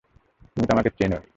তুমি তো আমাকে চেনোই!